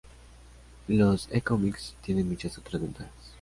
Los e-comics tienen muchas otras ventajas.